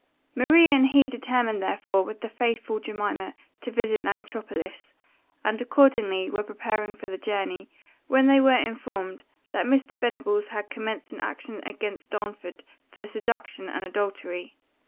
Maria and he determined therefore, with the faithful Jemima, to visit that metropolis, and accordingly were preparing for the journey, when they were informed that Mr. Venables had commenced an action against Darnford for seduction and adultery.